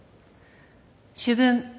「主文。